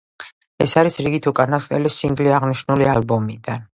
ეს არის რიგით უკანასკნელი სინგლი აღნიშნული ალბომიდან.